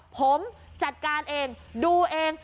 ผมจัดการเองดูเอง